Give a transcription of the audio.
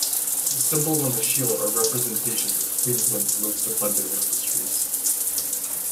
The symbols on the shield are representations of Queensland's most abundant industries.